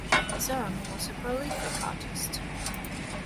Zorn was a prolific artist.